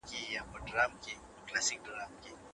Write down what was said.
موږ کولای سو له کړکۍ څخه ډبره چاڼ کړو.